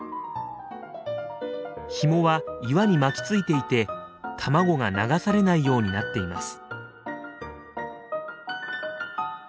ひもは岩に巻きついていて卵が流されないようになっています。